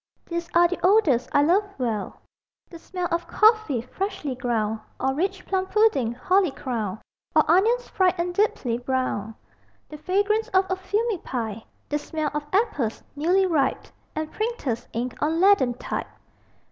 These are the odors I love well: The smell of coffee freshly ground; Or rich plum pudding, holly crowned; Or onions fried and deeply browned. The fragrance of a fumy pipe; The smell of apples, newly ripe; And printers' ink on leaden type.